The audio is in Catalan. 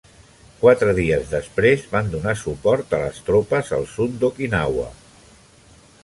Quatre dies després, van donar suport a les tropes al sud d'Okinawa